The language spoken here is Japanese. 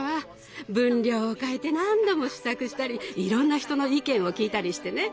分量を変えて何度も試作したりいろんな人の意見を聞いたりしてね。